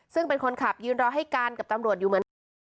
ซึ่งเป็นคนขับยืนรอให้การกับตำรวจอยู่เหมือนกัน